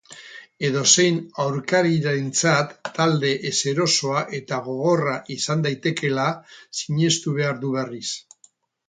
Edozein aurkarirentzat talde ezerosoa eta gogorra izan daitekeela sinestu behar du berriz.